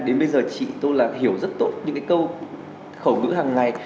đến bây giờ chị tôi là hiểu rất tốt những cái câu khẩu ngữ hàng ngày